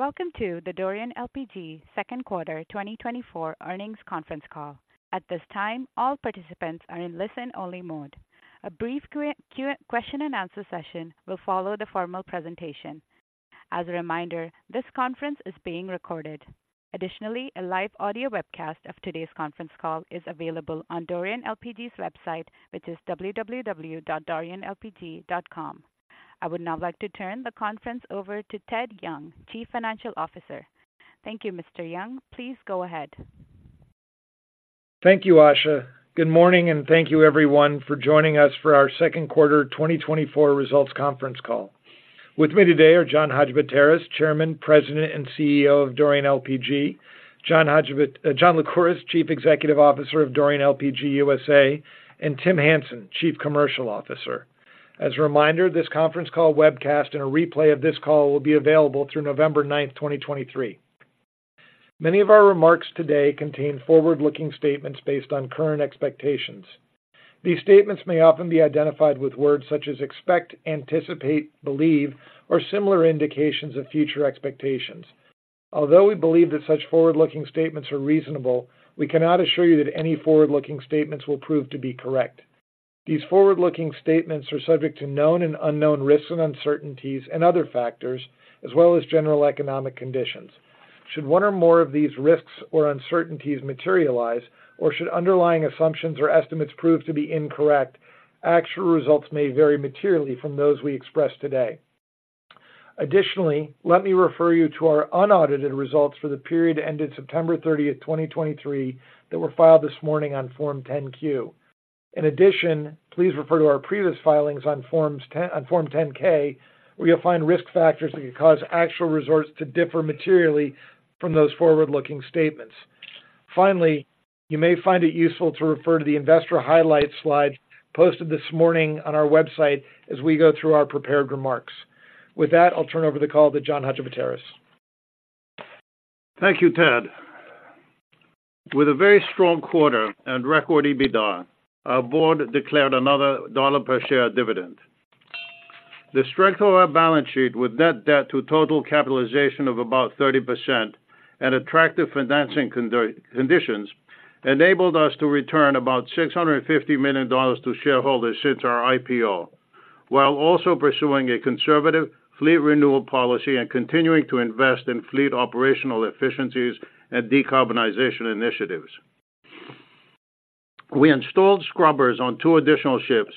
Welcome to the Dorian LPG Second Quarter 2024 Earnings Conference Call. At this time, all participants are in listen-only mode. A brief question and answer session will follow the formal presentation. As a reminder, this conference is being recorded. Additionally, a live audio webcast of today's conference call is available on Dorian LPG's website, which is www.dorianlpg.com. I would now like to turn the conference over to Ted Young, Chief Financial Officer. Thank you, Mr. Young. Please go ahead. Thank you, Asha. Good morning, and thank you everyone for joining us for our second quarter 2024 results conference call. With me today are John Hadjipateras, Chairman, President, and CEO of Dorian LPG, John Lycouris, Chief Executive Officer of Dorian LPG, USA, and Tim Hansen, Chief Commercial Officer. As a reminder, this conference call webcast and a replay of this call will be available through November 9th, 2023. Many of our remarks today contain forward-looking statements based on current expectations. These statements may often be identified with words such as expect, anticipate, believe, or similar indications of future expectations. Although we believe that such forward-looking statements are reasonable, we cannot assure you that any forward-looking statements will prove to be correct. These forward-looking statements are subject to known and unknown risks, and uncertainties, and other factors, as well as general economic conditions. Should one or more of these risks or uncertainties materialize, or should underlying assumptions or estimates prove to be incorrect, actual results may vary materially from those we express today. Additionally, let me refer you to our unaudited results for the period ended September 30th, 2023, that were filed this morning on Form 10-Q. In addition, please refer to our previous filings on Form 10-K, where you'll find risk factors that could cause actual results to differ materially from those forward-looking statements. Finally, you may find it useful to refer to the investor highlights slide posted this morning on our website as we go through our prepared remarks. With that, I'll turn over the call to John Hadjipateras. Thank you, Ted. With a very strong quarter and record EBITDA, our board declared another $1 per share dividend. The strength of our balance sheet with net debt to total capitalization of about 30% and attractive financing conditions enabled us to return about $650 million to shareholders since our IPO, while also pursuing a conservative fleet renewal policy and continuing to invest in fleet operational efficiencies and decarbonization initiatives. We installed scrubbers on two additional ships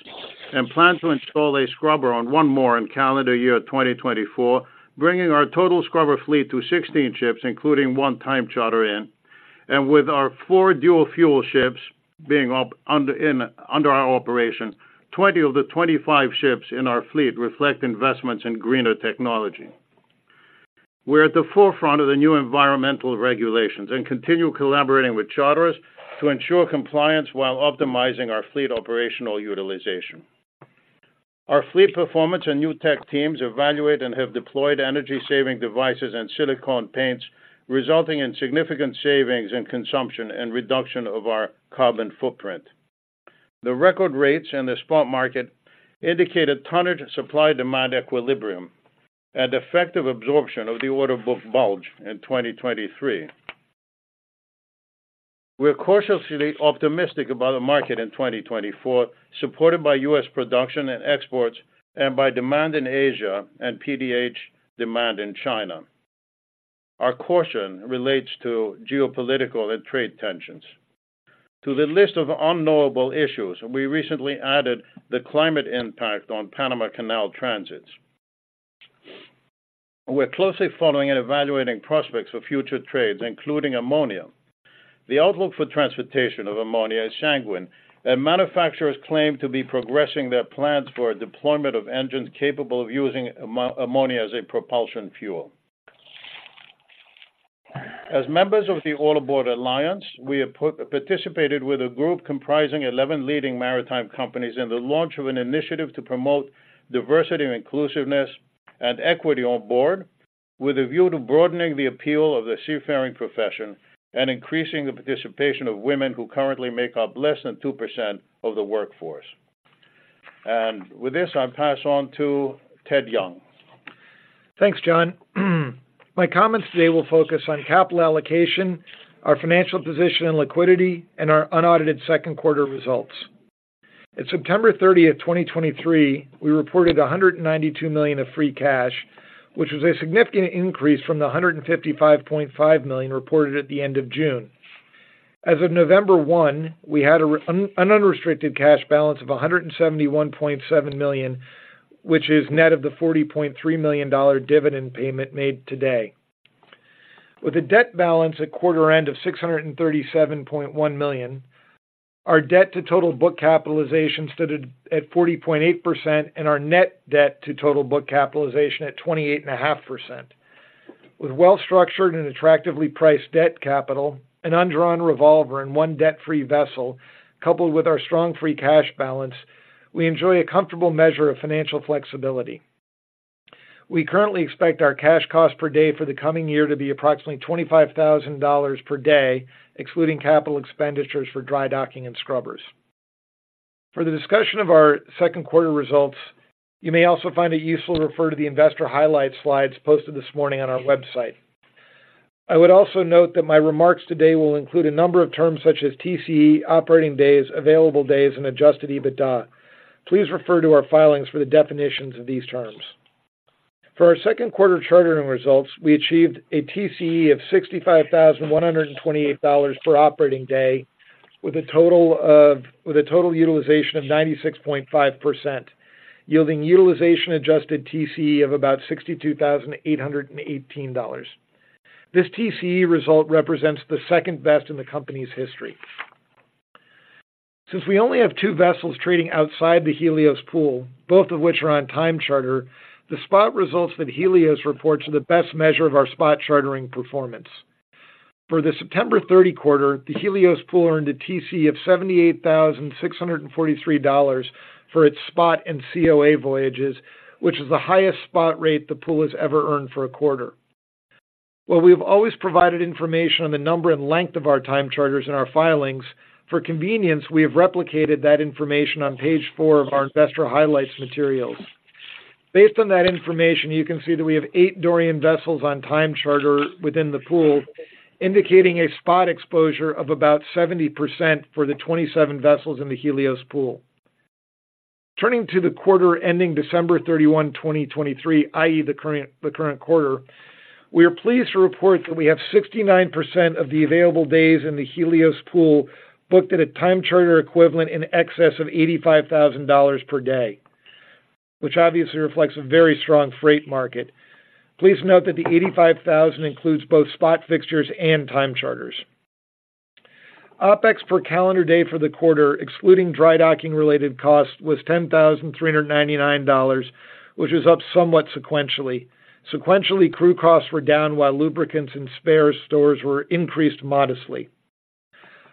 and plan to install a scrubber on one more in calendar year 2024, bringing our total scrubber fleet to 16 ships, including one time charter in. With our four dual fuel ships being under our operation, 20 of the 25 ships in our fleet reflect investments in greener technology. We're at the forefront of the new environmental regulations and continue collaborating with charterers to ensure compliance while optimizing our fleet operational utilization. Our fleet performance and new tech teams evaluate and have deployed energy-saving devices and silicone paints, resulting in significant savings in consumption and reduction of our carbon footprint. The record rates in the spot market indicate a tonnage supply-demand equilibrium and effective absorption of the order book bulge in 2023. We're cautiously optimistic about the market in 2024, supported by U.S. production and exports and by demand in Asia and PDH demand in China. Our caution relates to geopolitical and trade tensions. To the list of unknowable issues, we recently added the climate impact on Panama Canal transits. We're closely following and evaluating prospects for future trades, including ammonia. The outlook for transportation of ammonia is sanguine, and manufacturers claim to be progressing their plans for a deployment of engines capable of using ammonia as a propulsion fuel. As members of the All Aboard Alliance, we have participated with a group comprising 11 leading maritime companies in the launch of an initiative to promote diversity and inclusiveness and equity on board, with a view to broadening the appeal of the seafaring profession and increasing the participation of women who currently make up less than 2% of the workforce. With this, I pass on to Ted Young. Thanks, John. My comments today will focus on capital allocation, our financial position and liquidity, and our unaudited second quarter results. At September 30th, 2023, we reported $192 million of free cash, which was a significant increase from the $155.5 million reported at the end of June. As of November 1, we had an unrestricted cash balance of $171.7 million, which is net of the $40.3 million dollar dividend payment made today. With a debt balance at quarter end of $637.1 million, our debt to total book capitalization stood at 40.8% and our net debt to total book capitalization at 28.5%. With well-structured and attractively priced debt capital, an undrawn revolver and one debt-free vessel, coupled with our strong free cash balance, we enjoy a comfortable measure of financial flexibility. We currently expect our cash cost per day for the coming year to be approximately $25,000 per day, excluding capital expenditures for dry docking and scrubbers. For the discussion of our second quarter results, you may also find it useful to refer to the investor highlight slides posted this morning on our website. I would also note that my remarks today will include a number of terms such as TCE, operating days, available days, and adjusted EBITDA. Please refer to our filings for the definitions of these terms. For our second quarter chartering results, we achieved a TCE of $65,128 per operating day, with a total utilization of 96.5%, yielding utilization-adjusted TCE of about $62,818. This TCE result represents the second best in the company's history. Since we only have 2 vessels trading outside the Helios Pool, both of which are on time charter, the spot results that Helios reports are the best measure of our spot chartering performance. For the September thirty quarter, the Helios Pool earned a TCE of $78,643 for its spot and COA voyages, which is the highest spot rate the pool has ever earned for a quarter. While we've always provided information on the number and length of our time charters in our filings, for convenience, we have replicated that information on page 4 of our investor highlights materials. Based on that information, you can see that we have 8 Dorian vessels on time charter within the pool, indicating a spot exposure of about 70% for the 27 vessels in the Helios Pool. Turning to the quarter ending December 31, 2023, i.e., the current, the current quarter, we are pleased to report that we have 69% of the available days in the Helios Pool, booked at a time charter equivalent in excess of $85,000 per day, which obviously reflects a very strong freight market. Please note that the $85,000 includes both spot fixtures and time charters. OpEx per calendar day for the quarter, excluding dry docking-related costs, was $10,399, which is up somewhat sequentially. Sequentially, crew costs were down, while lubricants and spare stores were increased modestly.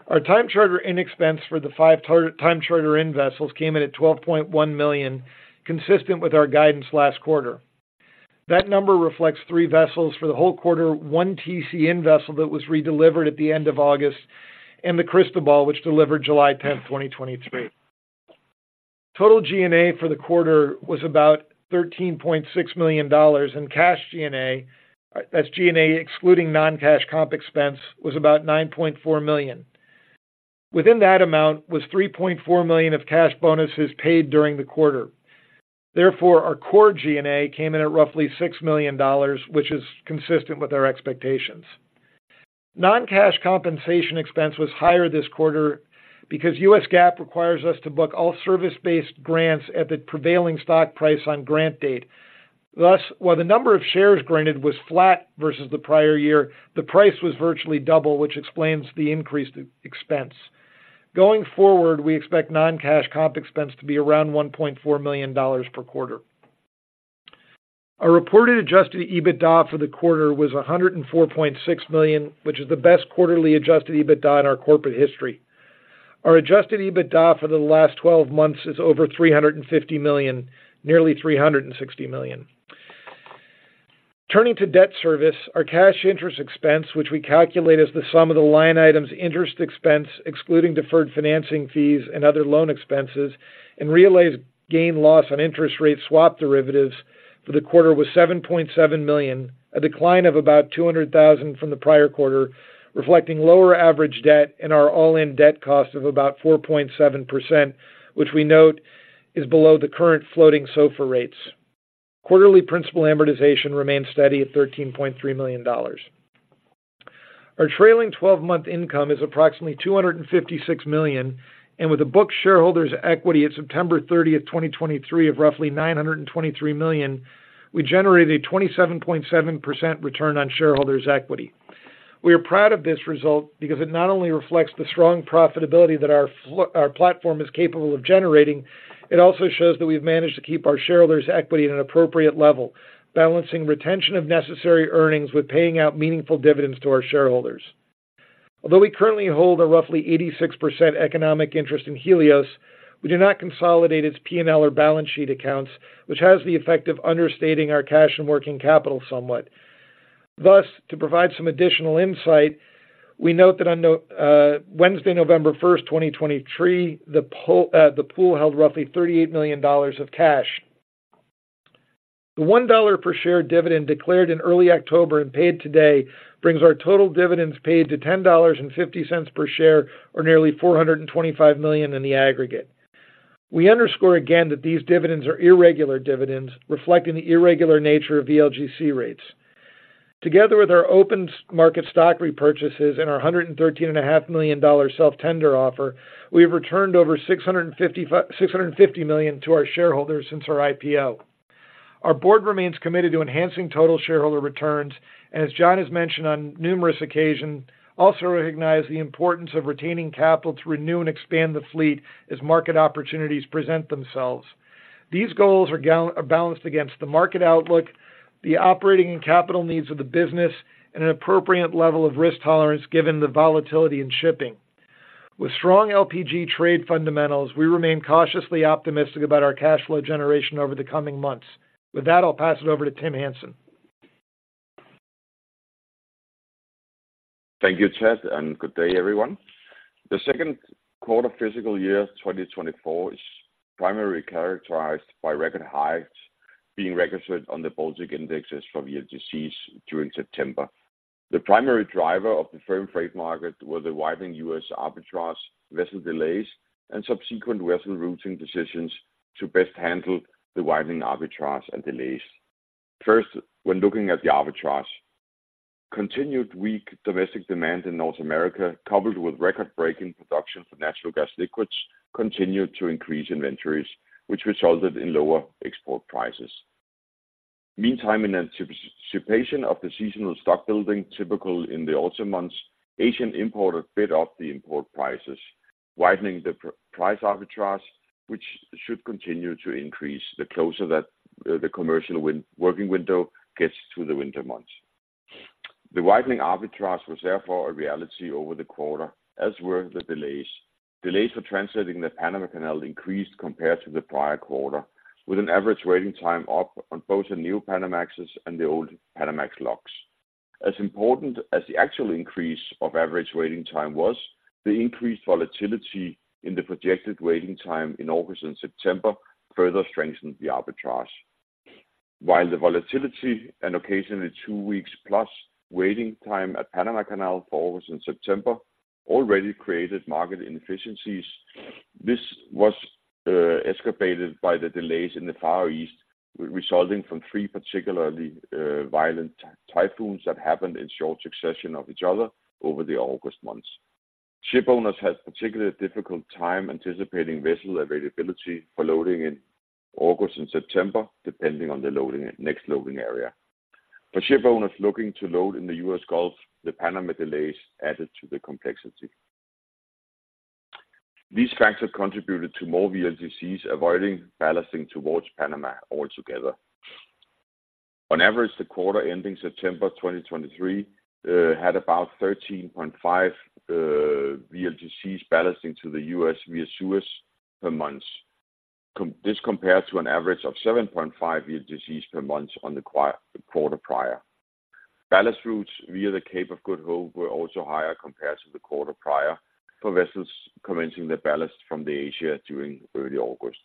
Our time charter in expense for the five target time charter in vessels came in at $12.1 million, consistent with our guidance last quarter. That number reflects three vessels for the whole quarter, one TC-in vessel that was redelivered at the end of August, and the Cristobal, which delivered July 10, 2023. Total G&A for the quarter was about $13.6 million, and cash G&A, that's G&A excluding non-cash comp expense, was about $9.4 million. Within that amount was $3.4 million of cash bonuses paid during the quarter. Therefore, our core G&A came in at roughly $6 million, which is consistent with our expectations. Non-cash compensation expense was higher this quarter because U.S. GAAP requires us to book all service-based grants at the prevailing stock price on grant date. Thus, while the number of shares granted was flat versus the prior year, the price was virtually double, which explains the increased expense. Going forward, we expect non-cash comp expense to be around $1.4 million per quarter. Our reported adjusted EBITDA for the quarter was $104.6 million, which is the best quarterly adjusted EBITDA in our corporate history. Our adjusted EBITDA for the last twelve months is over $350 million, nearly $360 million. Turning to debt service, our cash interest expense, which we calculate as the sum of the line items, interest expense, excluding deferred financing fees and other loan expenses, and realized gain loss on interest rate swap derivatives for the quarter was $7.7 million, a decline of about $200,000 from the prior quarter, reflecting lower average debt and our all-in debt cost of about 4.7%, which we note is below the current floating SOFR rates. Quarterly principal amortization remains steady at $13.3 million. Our trailing twelve-month income is approximately $256 million, and with a book shareholders' equity at September 30th, 2023 of roughly $923 million, we generated a 27.7% return on shareholders' equity. We are proud of this result because it not only reflects the strong profitability that our our platform is capable of generating, it also shows that we've managed to keep our shareholders' equity at an appropriate level, balancing retention of necessary earnings with paying out meaningful dividends to our shareholders. Although we currently hold a roughly 86% economic interest in Helios, we do not consolidate its P&L or balance sheet accounts, which has the effect of understating our cash and working capital somewhat. Thus, to provide some additional insight, we note that on Wednesday, November 1st, 2023, the pool the pool held roughly $38 million of cash. The $1 per share dividend, declared in early October and paid today, brings our total dividends paid to $10.50 per share, or nearly $425 million in the aggregate. We underscore again that these dividends are irregular dividends, reflecting the irregular nature of VLGC rates. Together with our open market stock repurchases and our $113.5 million self-tender offer, we have returned over $650 million to our shareholders since our IPO. Our board remains committed to enhancing total shareholder returns, and as John has mentioned on numerous occasions, also recognize the importance of retaining capital to renew and expand the fleet as market opportunities present themselves. These goals are balanced against the market outlook, the operating and capital needs of the business, and an appropriate level of risk tolerance given the volatility in shipping. With strong LPG trade fundamentals, we remain cautiously optimistic about our cash flow generation over the coming months. With that, I'll pass it over to Tim Hansen.... Thank you, Ted, and good day, everyone. The second quarter fiscal year 2024 is primarily characterized by record highs being registered on the Baltic indexes for VLGCs during September. The primary driver of the firm freight market was the widening U.S. arbitrage, vessel delays, and subsequent vessel routing decisions to best handle the widening arbitrage and delays. First, when looking at the arbitrage. Continued weak domestic demand in North America, coupled with record-breaking production for natural gas liquids, continued to increase inventories, which resulted in lower export prices. Meantime, in anticipation of the seasonal stock building, typical in the autumn months, Asian importer bid up the import prices, widening the price arbitrage, which should continue to increase the closer that the commercial working window gets to the winter months. The widening arbitrage was therefore a reality over the quarter, as were the delays. Delays for translating the Panama Canal increased compared to the prior quarter, with an average waiting time up on both the new Panamax and the old Panamax locks. As important as the actual increase of average waiting time was, the increased volatility in the projected waiting time in August and September further strengthened the arbitrage. While the volatility and occasionally two weeks plus waiting time at Panama Canal for August and September already created market inefficiencies, this was escalated by the delays in the Far East, resulting from three particularly violent typhoons that happened in short succession of each other over the August months. Shipowners had a particularly difficult time anticipating vessel availability for loading in August and September, depending on the loading, next loading area. For shipowners looking to load in the U.S. Gulf, the Panama delays added to the complexity. These factors contributed to more VLGCs avoiding ballasting towards Panama altogether. On average, the quarter ending September 2023 had about 13.5 VLGCs ballasting to the U.S. via Suez per month. This compared to an average of 7.5 VLGCs per month on the quiet quarter prior. Ballast routes via the Cape of Good Hope were also higher compared to the quarter prior, for vessels commencing the ballast from Asia during early August.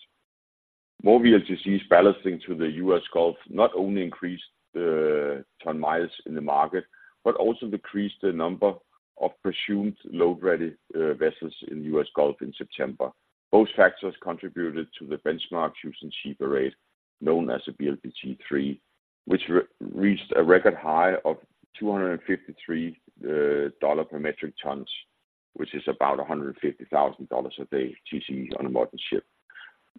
More VLGCs ballasting to the U.S. Gulf not only increased ton miles in the market but also decreased the number of presumed load ready vessels in the U.S. Gulf in September. Both factors contributed to the benchmark using cheaper rate, known as the BLPG3, which reached a record high of $253 per metric ton, which is about $150,000 a day TC on a modern ship.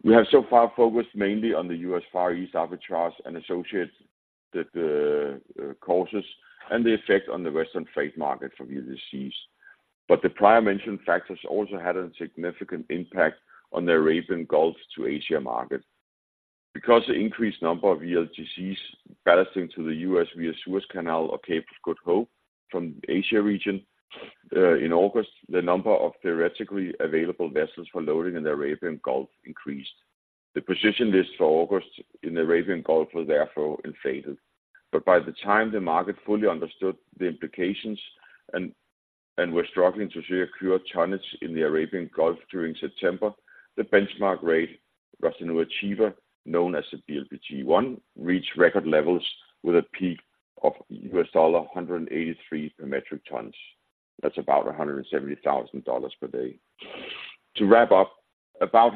We have so far focused mainly on the U.S. Far East arbitrage and associated causes and the effect on the Western freight market for VLGCs. But the prior mentioned factors also had a significant impact on the Arabian Gulf to Asia market. Because the increased number of VLGCs ballasting to the U.S. via Suez Canal or Cape of Good Hope from Asia region in August, the number of theoretically available vessels for loading in the Arabian Gulf increased. The position list for August in the Arabian Gulf was therefore inflated, but by the time the market fully understood the implications and we're struggling to secure tonnage in the Arabian Gulf during September, the benchmark rate, Ras Tanura-Chiba, known as the BLPG1, reached record levels with a peak of $183 per metric ton. That's about $170,000 per day. To wrap up, about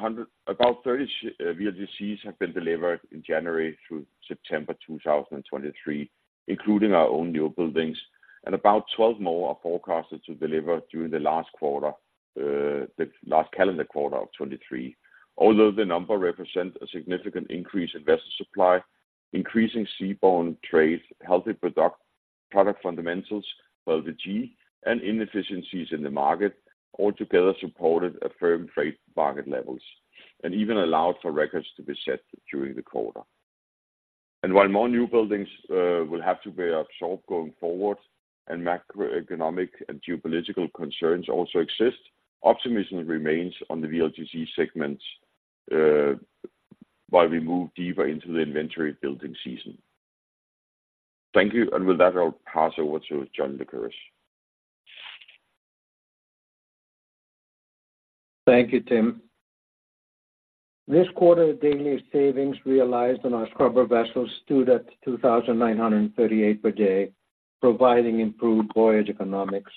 30 VLGCs have been delivered in January through September 2023, including our own new buildings, and about 12 more are forecasted to deliver during the last quarter, the last calendar quarter of 2023. Although the number represents a significant increase in vessel supply, increasing seaborne trade, healthy product, product fundamentals, well, the Panama and inefficiencies in the market altogether supported a firm trade market levels, and even allowed for records to be set during the quarter. While more new buildings will have to be absorbed going forward, and macroeconomic and geopolitical concerns also exist, optimism remains on the VLGC segment, while we move deeper into the inventory building season. Thank you, and with that, I'll pass over to John Lycouris. Thank you, Tim. This quarter, daily savings realized on our scrubber vessels stood at 2,938 per day, providing improved voyage economics.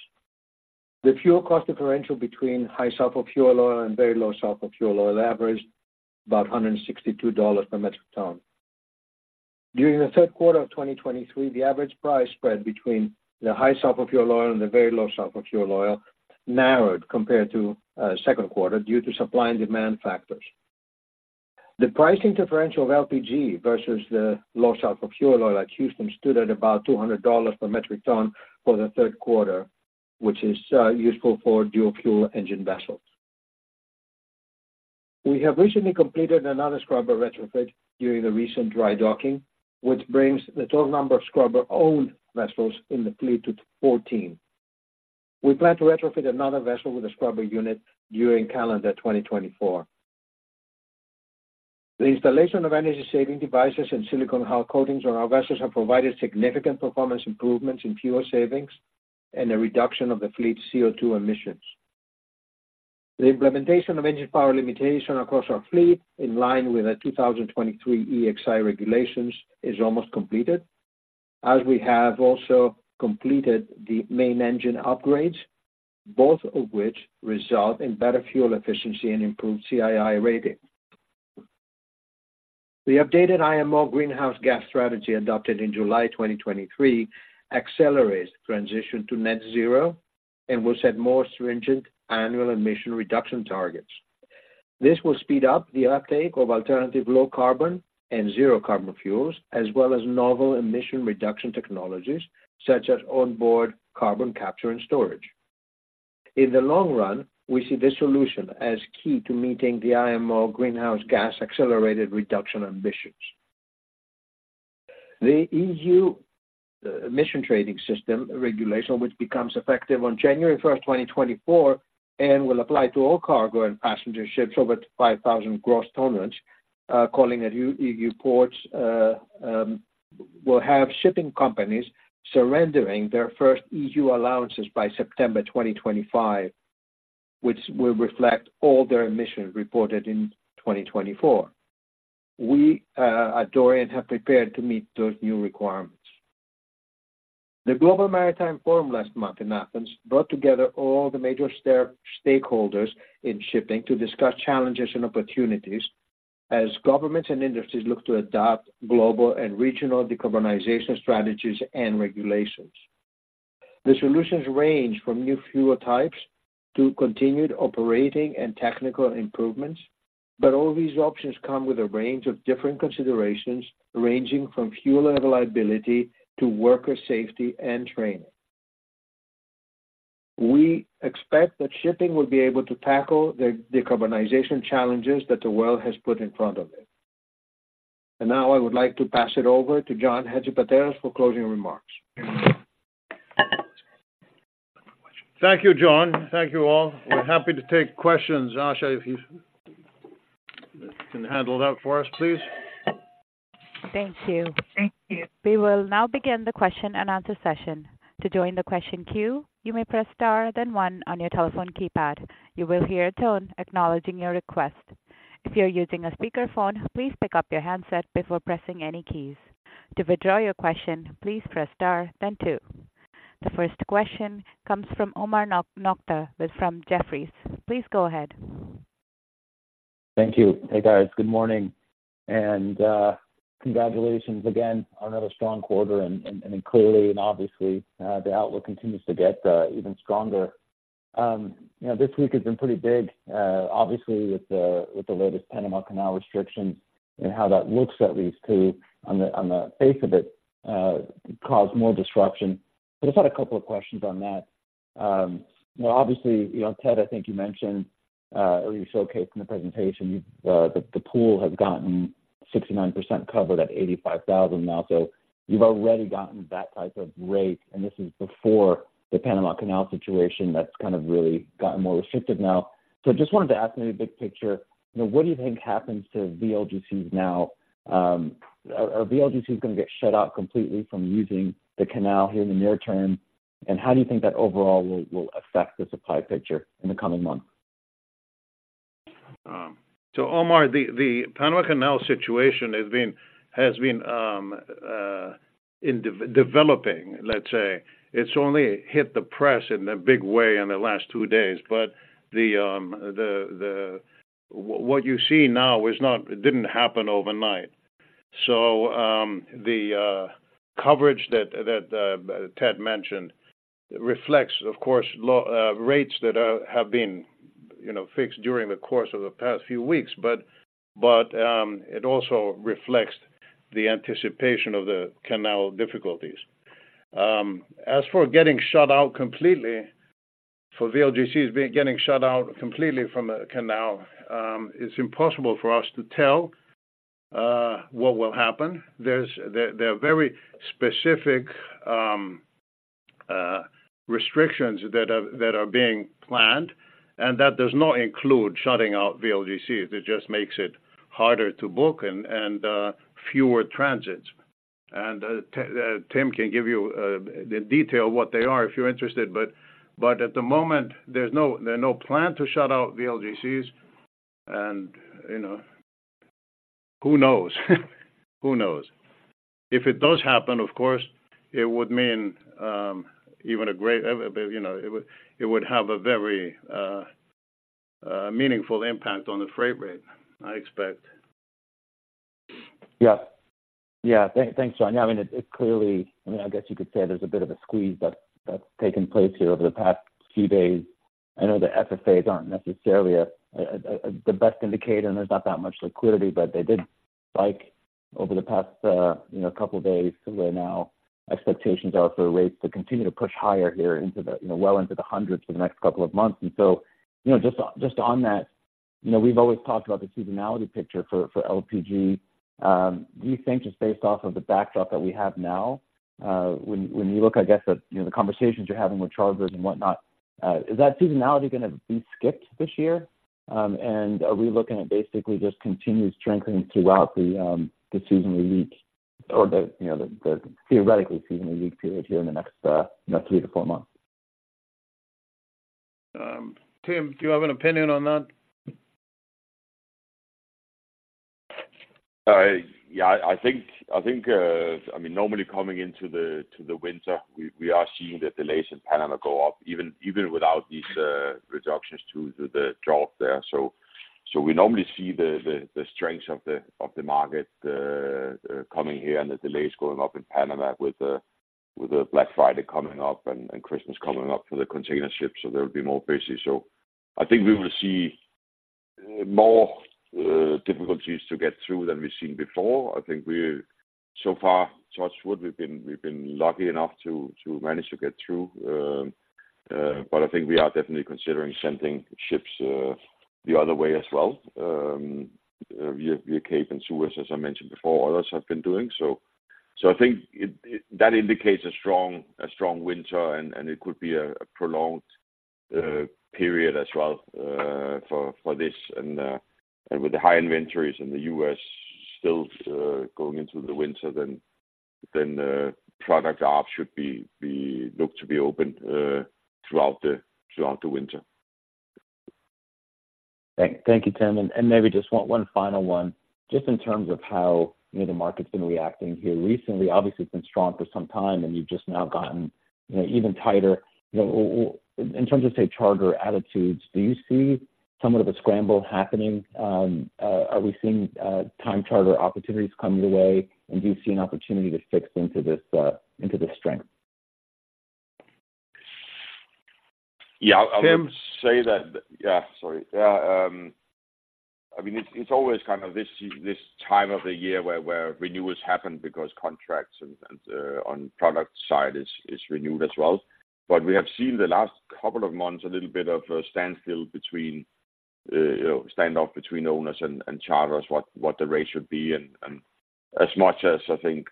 The fuel cost differential between high sulfur fuel oil and very low sulfur fuel oil averaged about $162 per metric ton. During the third quarter of 2023, the average price spread between the high sulfur fuel oil and the very low sulfur fuel oil narrowed compared to second quarter due to supply and demand factors. The pricing differential of LPG versus the low sulfur fuel oil at Houston stood at about $200 per metric ton for the third quarter, which is useful for dual fuel engine vessels. We have recently completed another scrubber retrofit during the recent dry docking, which brings the total number of scrubber-owned vessels in the fleet to 14. We plan to retrofit another vessel with a scrubber unit during calendar 2024. The installation of energy-saving devices and silicone hull coatings on our vessels have provided significant performance improvements in fuel savings and a reduction of the fleet's CO2 emissions. The implementation of engine power limitation across our fleet, in line with the 2023 EEXI regulations, is almost completed, as we have also completed the main engine upgrades, both of which result in better fuel efficiency and improved CII rating. The updated IMO Greenhouse Gas strategy, adopted in July 2023, accelerates the transition to net zero and will set more stringent annual emission reduction targets. This will speed up the uptake of alternative low carbon and zero carbon fuels, as well as novel emission reduction technologies such as onboard carbon capture and storage. In the long run, we see this solution as key to meeting the IMO greenhouse gas accelerated reduction ambitions. The EU Emissions Trading System regulation, which becomes effective on January 1, 2024, and will apply to all cargo and passenger ships over 5,000 gross tonnage, calling at EU ports, will have shipping companies surrendering their first EU allowances by September 2025, which will reflect all their emissions reported in 2024. We at Dorian have prepared to meet those new requirements. The Global Maritime Forum last month in Athens brought together all the major stakeholders in shipping to discuss challenges and opportunities as governments and industries look to adopt global and regional decarbonization strategies and regulations. The solutions range from new fuel types to continued operating and technical improvements, but all these options come with a range of different considerations, ranging from fuel reliability to worker safety and training. We expect that shipping will be able to tackle the decarbonization challenges that the world has put in front of it. And now I would like to pass it over to John Hadjipateras for closing remarks. Thank you, John. Thank you all. We're happy to take questions. Asha, if you can handle that for us, please. Thank you. Thank you. We will now begin the question and answer session. To join the question queue, you may press star, then one on your telephone keypad. You will hear a tone acknowledging your request. If you are using a speakerphone, please pick up your handset before pressing any keys. To withdraw your question, please press star then two. The first question comes from Omar Nokta with Jefferies. Please go ahead. Thank you. Hey, guys. Good morning, and congratulations again on another strong quarter. And clearly and obviously, the outlook continues to get even stronger. You know, this week has been pretty big, obviously with the latest Panama Canal restrictions and how that looks at least to, on the face of it, cause more disruption. But I just had a couple of questions on that. Well, obviously, you know, Ted, I think you mentioned or you showcased in the presentation that the pool has gotten 69% covered at 85,000 now. So you've already gotten that type of rate, and this is before the Panama Canal situation that's kind of really gotten more restrictive now. So just wanted to ask maybe big picture, you know, what do you think happens to VLGCs now? Are VLGCs going to get shut out completely from using the canal here in the near term? And how do you think that overall will affect the supply picture in the coming months? So Omar, the Panama Canal situation has been developing, let's say. It's only hit the press in a big way in the last two days. But what you see now is not; it didn't happen overnight. So, the coverage that Ted mentioned reflects, of course, low rates that have been, you know, fixed during the course of the past few weeks. But it also reflects the anticipation of the canal difficulties. As for getting shut out completely for VLGCs from the canal, it's impossible for us to tell what will happen. There are very specific restrictions that are being planned, and that does not include shutting out VLGCs. It just makes it harder to book and fewer transits. And Tim can give you the detail of what they are if you're interested, but at the moment, there are no plan to shut out VLGCs. And, you know, who knows? Who knows? If it does happen, of course, it would mean even a great, but you know, it would have a very meaningful impact on the freight rate, I expect. Yeah. Yeah. Thanks, John. Yeah, I mean, it clearly, I mean, I guess you could say there's a bit of a squeeze that's taken place here over the past few days. I know the FFAs aren't necessarily the best indicator, and there's not that much liquidity, but they did spike over the past, you know, couple of days. So there are now expectations for rates to continue to push higher here into the, you know, well into the hundreds for the next couple of months. And so, you know, just on that, you know, we've always talked about the seasonality picture for LPG. Do you think just based off of the backdrop that we have now, when you look, I guess, at, you know, the conversations you're having with charters and whatnot? Is that seasonality going to be skipped this year? And are we looking at basically just continued strengthening throughout the seasonally weak or, you know, the theoretically seasonally weak period here in the next three to four months? Tim, do you have an opinion on that? Yeah, I think, I mean, normally coming into the winter, we are seeing the delays in Panama go up, even without these reductions to the drought there. So we normally see the strength of the market coming here and the delays going up in Panama with the Black Friday coming up and Christmas coming up for the container ships, so they'll be more busy. So I think we will see more difficulties to get through than we've seen before. I think we so far, touch wood, we've been lucky enough to manage to get through. But I think we are definitely considering sending ships the other way as well, via Cape and Suez, as I mentioned before, others have been doing so. So I think that indicates a strong winter, and it could be a prolonged period as well, for this and with the high inventories in the U.S. still going into the winter, then product ops should be looked to be open throughout the winter. Thank you, Tim. And maybe just one final one, just in terms of how, you know, the market's been reacting here recently. Obviously, it's been strong for some time, and you've just now gotten, you know, even tighter. You know, in terms of, say, charter attitudes, do you see somewhat of a scramble happening? Are we seeing time charter opportunities coming your way, and do you see an opportunity to fix into this strength? Yeah. Tim. I would say that... Yeah, sorry. Yeah, I mean, it's always kind of this time of the year where renewals happen because contracts and on product side is renewed as well. But we have seen the last couple of months, a little bit of a standstill between you know, standoff between owners and charters, what the rate should be. And as much as I think,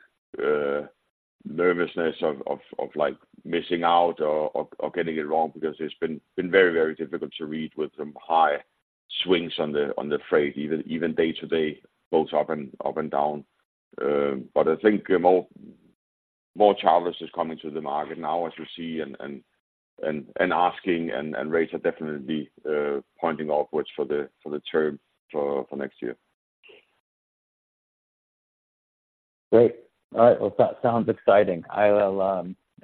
nervousness of like missing out or getting it wrong because it's been very difficult to read with some high swings on the freight, even day to day, both up and down. But I think more charters is coming to the market now, as you see, and asking rates are definitely pointing upwards for the term for next year. Great. All right. Well, that sounds exciting. I will,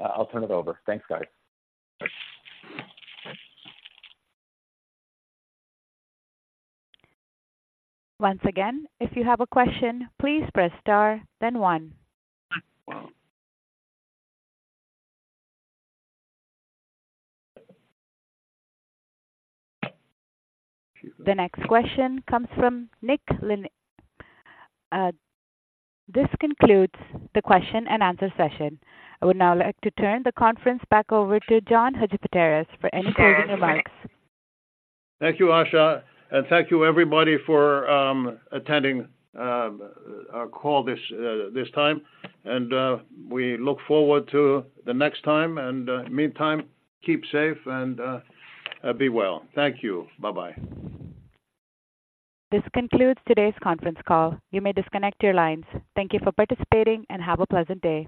I'll turn it over. Thanks, guys. Thanks. Once again, if you have a question, please press star, then one. The next question comes from Nick Lin-. This concludes the question and answer session. I would now like to turn the conference back over to John Hadjipateras for any closing remarks. Thank you, Asha, and thank you, everybody, for attending our call this time. And we look forward to the next time, and meantime, keep safe and be well. Thank you. Bye-bye. This concludes today's conference call. You may disconnect your lines. Thank you for participating and have a pleasant day.